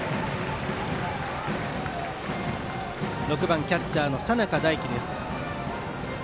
６番キャッチャーの佐仲大輝です。